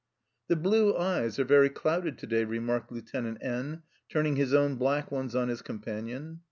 " The blue eyes are very clouded to day," re marked Lieutenant N , turning his own black ones on his companion.